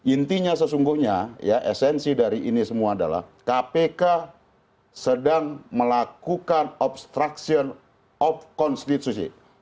intinya sesungguhnya ya esensi dari ini semua adalah kpk sedang melakukan obstruction of constitution